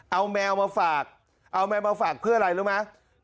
เอาแมวมาฝากเอาแมวมาฝากเพื่ออะไรรู้ไหม